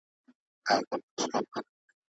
پنځمه ماده د باج او ډالیو په اړه وه.